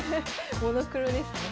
モノクロですね。